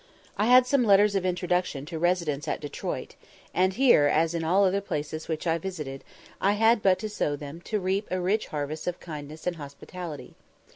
I had some letters of introduction to residents at Detroit, and here, as in all other places which I visited, I had but to sow them to reap a rich harvest of kindness and hospitality.